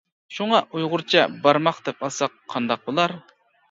شۇڭا ئۇيغۇرچە بارماق دەپ ئالساق قانداق بولار؟ !